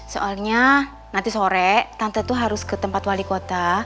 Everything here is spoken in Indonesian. soalnya nanti sore tante itu harus ke tempat wali kota